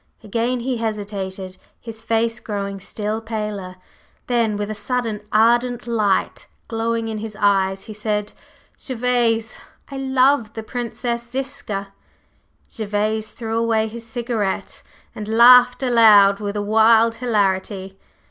Again he hesitated, his face growing still paler, then with a sudden ardent light glowing in his eyes he said "Gervase, I love the Princess Ziska!" Gervase threw away his cigarette and laughed aloud with a wild hilarity.